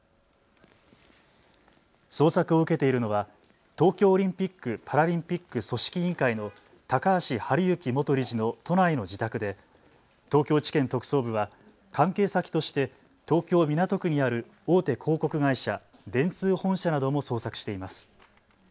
捜索を受けているのは東京オリンピック・パラリンピック組織委員会の高橋治之元理事の都内の自宅で東京地検特捜部は関係先として東京港区にある大手広告会社、電通本社なども捜索しています。